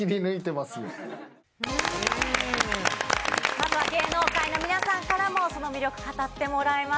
まずは芸能界の皆さんからもその魅力語ってもらいました。